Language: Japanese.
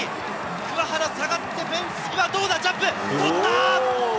桑原下がって、フェンス際、どうだ、ジャンプ、捕ったー。